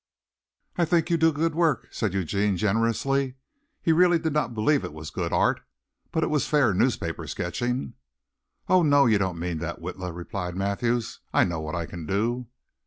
"I think you do good work," said Eugene generously. He really did not believe it was good art, but it was fair newspaper sketching. "Oh, no, you don't mean that, Witla," replied Mathews. "I know what I can do."